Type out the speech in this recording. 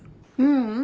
ううん。